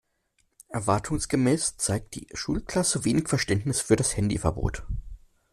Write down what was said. Erwartungsgemäß zeigt die Schulklasse wenig Verständnis für das Handyverbot.